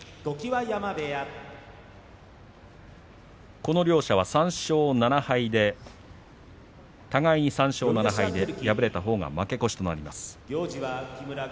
この両者は互いに３勝７敗で敗れたほうが負け越しとなります。